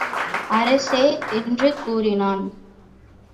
அரசே! என்று கூறினான்.